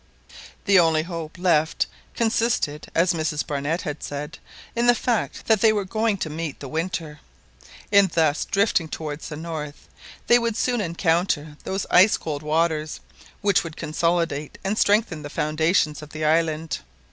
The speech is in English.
The only hope left consisted, as Mrs Barnett had said, in the fact that they were going to meet the winter. In thus drifting towards the north they would soon encounter those ice cold waters, which would consolidate and strengthen the foundations of the island.